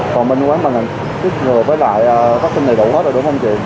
còn bên quán mình ít người với lại phát triển đầy đủ hết rồi đúng không chị